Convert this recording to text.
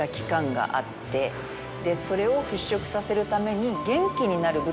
それを払拭させるために。